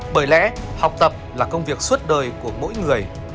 bởi lẽ học tập là công việc suốt đời của mỗi người